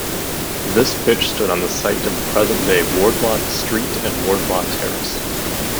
This pitch stood on the site of the present-day Wardlaw Street and Wardlaw Terrace.